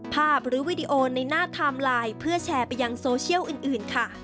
หรือวีดีโอในหน้าไทม์ไลน์เพื่อแชร์ไปยังโซเชียลอื่นค่ะ